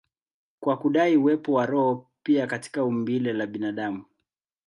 kwa kudai uwepo wa roho pia katika umbile la binadamu.